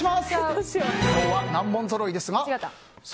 今日は難問ぞろいですが。